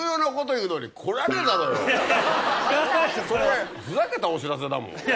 それふざけたお知らせだもん。